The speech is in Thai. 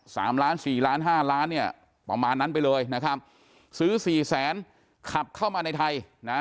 สามล้านสี่ล้านห้าล้านเนี่ยประมาณนั้นไปเลยนะครับซื้อสี่แสนขับเข้ามาในไทยนะ